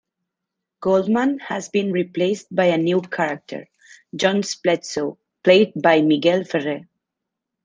Goldman has been replaced by a new character, Jonas Bledsoe, played by Miguel Ferrer.